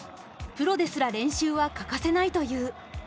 プロですら練習は欠かせないという。